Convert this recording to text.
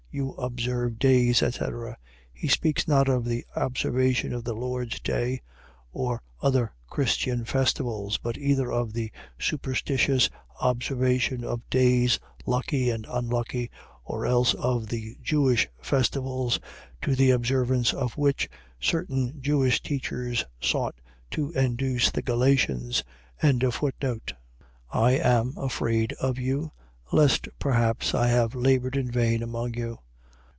You observe days, etc. . .He speaks not of the observation of the Lord's day, or other Christian festivals; but either of the superstitious observation of days lucky and unlucky; or else of the Jewish festivals, to the observance of which, certain Jewish teachers sought to induce the Galatians. 4:11. I am afraid of you, lest perhaps I have laboured in vain among you.